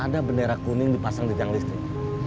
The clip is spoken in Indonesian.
ada bendera kuning dipasang di tiang listrik